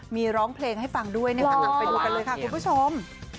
มีร้องเพลงให้ฟังด้วยนะคะไปดูกันเลยค่ะคุณผู้ชม